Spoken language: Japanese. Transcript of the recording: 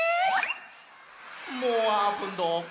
もうあーぷんどこ？